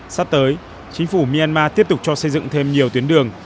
sắp tới chính phủ myanmar tiếp tục cho xây dựng thêm nhiều tuyến đường